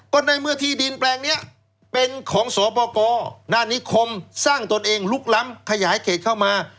ก็ในเมื่อที่ดินแปลงนี้เป็นของสปกหน้านิคมสร้างตนเองลุกล้ำขยายเขตเข้ามา